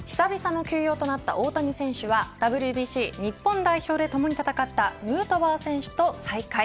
久々の休養となった大谷選手はＷＢＣ日本代表で共に戦ったヌートバー選手と再会。